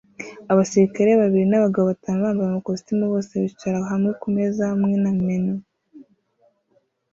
Abasirikare babiri nabagabo batanu bambaye amakositimu bose bicara hamwe kumeza hamwe na menus